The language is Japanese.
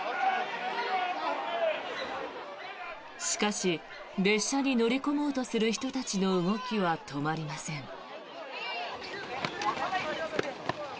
しかし列車に乗り込もうとする人たちの動きは止まりません。